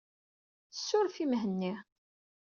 Suref i Mhenni.